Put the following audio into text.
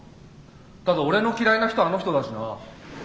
ただ俺の嫌いな人あの人だしな。